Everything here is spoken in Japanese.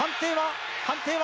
判定は？